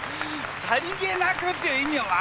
さりげなくっていう意味を分かってんのかね